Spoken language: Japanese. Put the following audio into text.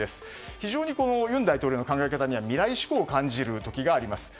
非常に尹大統領の考え方には未来志向を感じる時があります。